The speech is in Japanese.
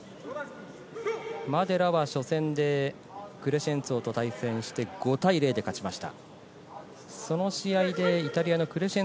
マデラは初戦で、クレシェンツォと対戦して５対０で勝ちました。